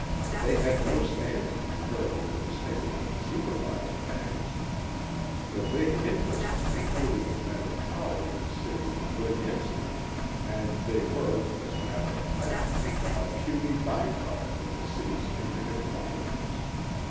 They had no standing comparable with the standing of the supervised banks. The big interests including the men of power in the city were against them and they were, as a matter of fact, a puny by product of the city's intricate finance.